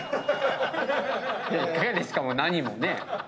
いかがですかも何もね。